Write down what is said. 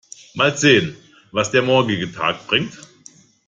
Mal sehen, was der morgige Tag bringt.